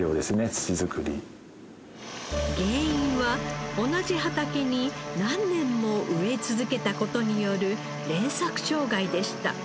原因は同じ畑に何年も植え続けた事による連作障害でした。